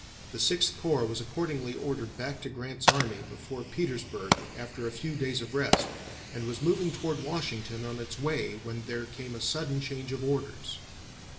The Sixth Corps was accordingly ordered back to Grant's army before Petersburg after a few days of rest, and was moving toward Washington on its way when there came a sudden change of orders.